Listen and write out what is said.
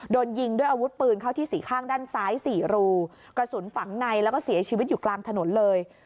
โดนยิงด้วยอาวุธปืนเข้าที่สี่ข้างด้านซ้ายสี่รูกระสุนฝังในแล้วก็เสียชีวิตอยู่กลางถนนเลย